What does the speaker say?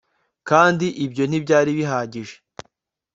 Kandi ibyo ntibyari bihagije